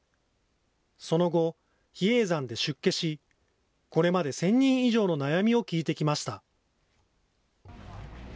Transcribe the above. その後、比叡山で出家し、これまで１０００人以上の悩みを聞いてきました。